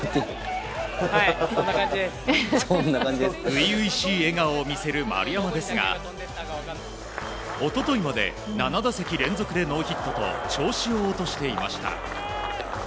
初々しい笑顔を見せる丸山ですが一昨日まで７打席連続でノーヒットと調子を落としていました。